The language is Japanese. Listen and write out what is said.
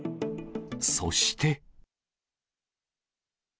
そして。